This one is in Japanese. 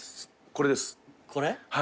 これ？